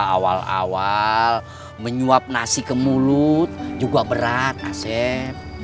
awal awal menyuap nasi ke mulut juga berat asep